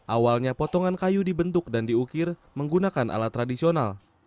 awalnya potongan kayu dibentuk dan diukir menggunakan alat tradisional